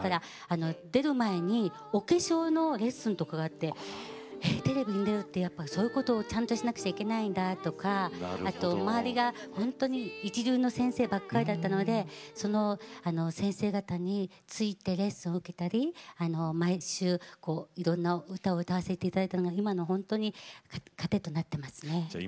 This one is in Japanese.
出る前にお化粧のレッスンがあってテレビに出るってそういうことをちゃんとしなくちゃいけないんだとか周りが一流の先生ばかりだったので先生方についてレッスンを受けたり毎週、いろんな歌を歌わせていただいて今の糧となっています。